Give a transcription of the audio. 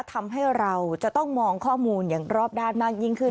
ทำให้เราจะต้องมองข้อมูลอย่างรอบด้านมากยิ่งขึ้น